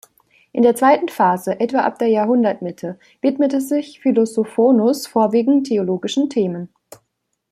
In der zweiten Phase, etwa ab der Jahrhundertmitte, widmete sich Philoponos vorwiegend theologischen Themen.